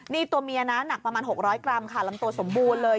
นี่ตัวเมียนะหนักประมาณ๖๐๐กรัมค่ะลำตัวสมบูรณ์เลย